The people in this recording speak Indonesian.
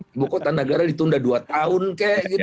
ibu kota negara ditunda dua tahun kayak gitu